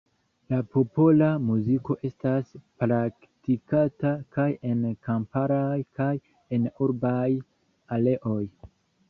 La popola muziko estas praktikata kaj en kamparaj kaj en urbaj areoj.